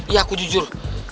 iya aku jujur